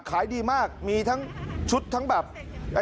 ขายดีมากมีทั้งชุดทั้งแบบ